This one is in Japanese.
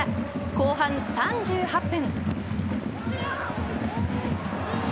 後半３８分。